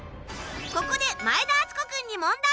ここで前田敦子君に。